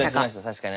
確かに。